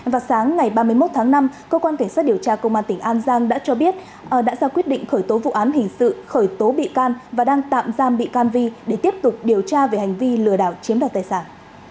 vào sáng ngày ba mươi một tháng năm cơ quan cảnh sát điều tra công an tỉnh an giang đã cho biết đã ra quyết định khởi tố vụ án hình sự khởi tố bị can và đang tạm giam bị can vi để tiếp tục điều tra về hành vi lừa đảo chiếm đoạt tài sản